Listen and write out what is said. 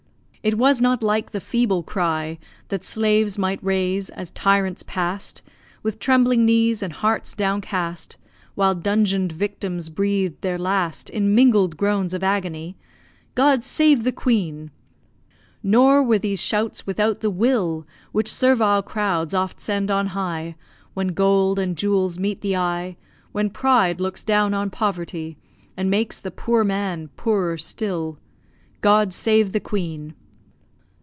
It was not like the feeble cry That slaves might raise as tyrants pass'd, With trembling knees and hearts downcast, While dungeoned victims breathed their last In mingled groans of agony! God save the Queen! Nor were these shouts without the will, Which servile crowds oft send on high, When gold and jewels meet the eye, When pride looks down on poverty, And makes the poor man poorer still! God save the Queen!